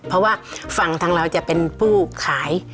เพราะว่าฝั่งทางเราจะเป็นผู้ขาย